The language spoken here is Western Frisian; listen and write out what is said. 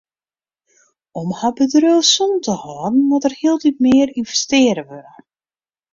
Om har bedriuw sûn te hâlden moat der hieltyd mear ynvestearre wurde.